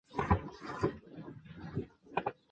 一定还在某个地方